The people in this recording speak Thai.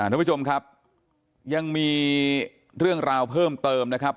ทุกผู้ชมครับยังมีเรื่องราวเพิ่มเติมนะครับ